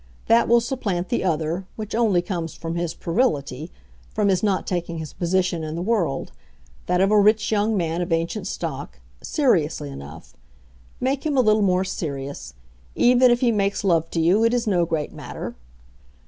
That will supplant the other, which only comes from his puerility, from his not taking his position in the world—that of a rich young man of ancient stock—seriously enough. Make him a little more serious. Even if he makes love to you it is no great matter."